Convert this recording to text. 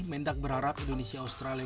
mendak berharap indonesia australia